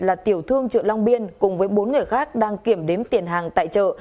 là tiểu thương chợ long biên cùng với bốn người khác đang kiểm đếm tiền hàng tại chợ